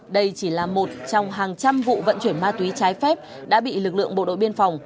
đây chỉ là một trong hàng trăm vụ vận chuyển ma túy trái phép đã bị lực lượng bộ đội biên phòng